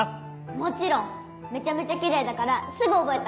もちろんめちゃめちゃキレイだからすぐ覚えた。